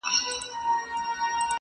انساني کرامت تر سوال للاندي دی،